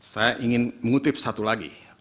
saya ingin mengutip satu lagi